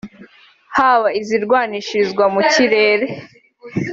haba izirwanishirizwa mu kirere